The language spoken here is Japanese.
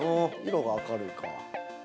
◆色が明るいか。